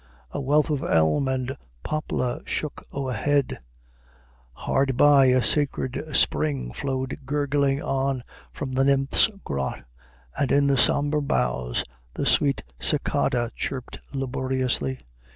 A wealth of elm and poplar shook o'erhead; Hard by, a sacred spring flowed gurgling on From the Nymphs' grot, and in the somber boughs The sweet cicada chirped laboriously.